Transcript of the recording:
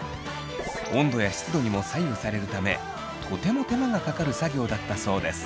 温度や湿度にも左右されるためとても手間がかかる作業だったそうです。